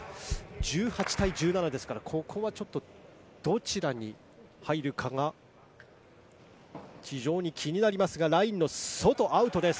１８対１７なので、どちらに入るかが非常に気になりますが、ラインの外。アウトです。